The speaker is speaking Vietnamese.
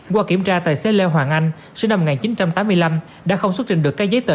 qua kiểm tra tài xế lê hoàng anh sinh năm một nghìn chín trăm tám mươi năm đã không xuất trình được các giấy tờ